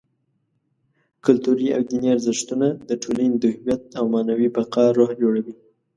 کلتوري او دیني ارزښتونه: د ټولنې د هویت او معنوي بقا روح جوړوي.